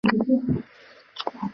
古代文人墨客纷纷前来瞻仰。